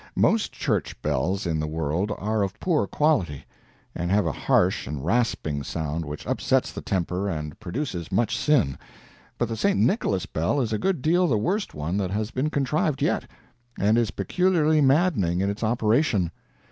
Most church bells in the world are of poor quality, and have a harsh and rasping sound which upsets the temper and produces much sin, but the St. Nicholas bell is a good deal the worst one that has been contrived yet, and is peculiarly maddening in its operation.